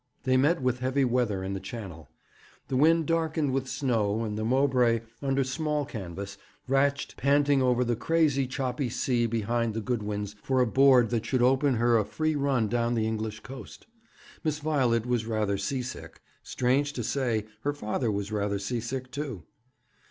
They met with heavy weather in the Channel. The wind darkened with snow, and the Mowbray, under small canvas, ratched, panting over the crazy, choppy sea behind the Goodwins for a board that should open her a free run down the English coast. Miss Violet was rather sea sick. Strange to say, her father was rather sea sick, too.